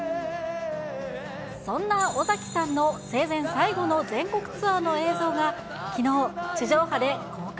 そんな尾崎さんの生前最後の全国ツアーの映像がきのう、地上波で尾崎！